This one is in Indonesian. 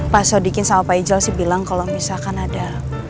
pak sodikin sama pak ijo sih bilang kalau misalkan ada